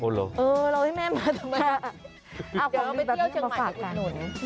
เอาของดีแบบนี้มาฝากกัน